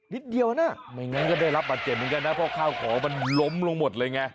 นิดเดียวนะไม่งั้นก็ได้รับบาดเจ็บเหมือนกันนะเพราะข้าวของมันล้มลงหมดเลยไง